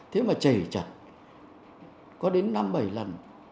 thế mà chảy chặt có đến năm bảy lần